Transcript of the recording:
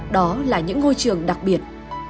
đó là những ngôi trường đặc biệt